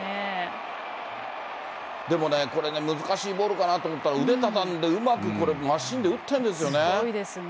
でもね、これね、難しいボールかなと思ったら、腕畳んで、うまくこれ、すごいですね。